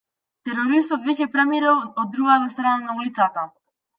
Терористот веќе преминал од другата страна на улицата.